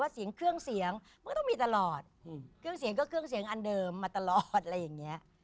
ถ้าจริงหรี่จะไม่ใช่เสียงนี้